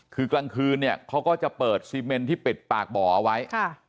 คือกลางคืนเนี่ยเขาก็จะเปิดซีเมนที่ปิดปากบ่อเอาไว้